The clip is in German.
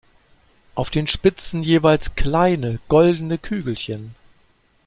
Auf den Spitzen jeweils kleine goldene Kügelchen.